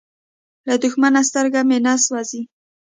له دښمنه سترګه مې نه سوزي.